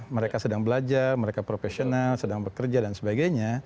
mereka sedang belajar mereka profesional sedang bekerja dan sebagainya